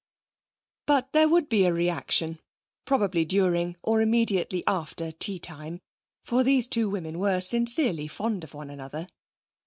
But there would be a reaction, probably during, or immediately after, tea time, for these two women were sincerely fond of one another.